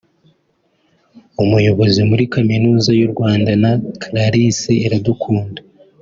Umuyobozi muri Kaminuza y’u Rwanda na Clarisse Iradukunda